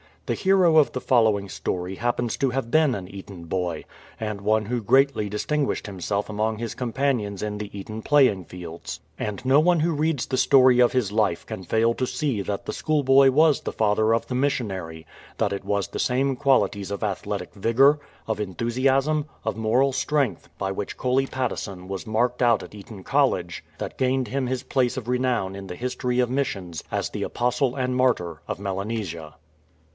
The hero of the following story happens to have been an Eton boy, and one who greatly distinguished himself among his companions in the Eton playing fields. 270 COLEY PATTESON And no one who reads the story of his life can fail to see that the schoolboy was the father of the missionary, that it was the same qualities of athletic vigour, of enthusiasm, of moral strength by which Coley Patteson was marked out at Eton College that gained him his place of renown in the history of missions as the apostle and martyr of Melanesia.